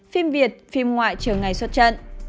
phim việt phim ngoại chờ ngày xuất trận